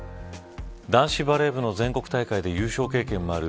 男子バレー部の全国大会で優勝経験もある